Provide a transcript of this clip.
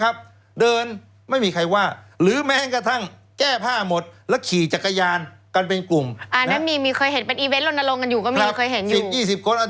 กางเกงก็ไม่ใส่เก้าแก้ผ้าเหรอแก้ผ้าแล้วแก้ผ้าหมดแล้วครับ